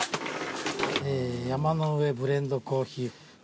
山の上ブレンドコーヒー。